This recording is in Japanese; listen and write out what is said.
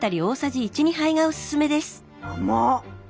甘っ！